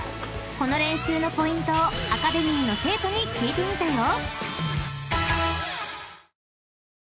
［この練習のポイントをアカデミーの生徒に聞いてみたよ］